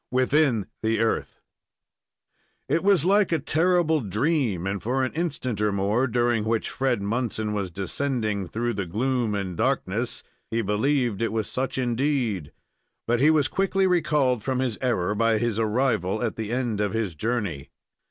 WITHIN THE EARTH It was like a terrible dream, and, for an instant or more, during which Fred Munson was descending through the gloom and darkness, he believed it was such indeed; but he was quickly recalled from his error by his arrival at the end of his journey.